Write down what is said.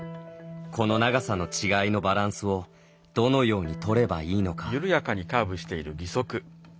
この長さの違いのバランスをどのように取ればいいのか。